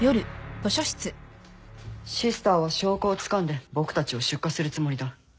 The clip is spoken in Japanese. シスターは証拠をつかんで僕たちを出荷するつもりだ。